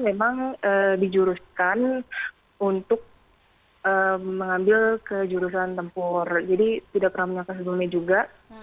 memang dijuruskan untuk mengambil kejurusan tempur jadi tidak pernah menyangka kasus bumi juga